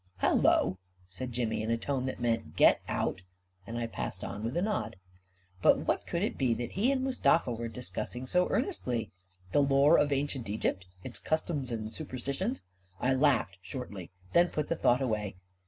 " Hello !" said Jimmy, in a tone that meant " Get out !" and I passed on with a nod. But what could it be that he and Mustafa were discussing so earnestly? The lore of ancient Egypt, its customs and superstitions? I laughed shortly; then put the thought away.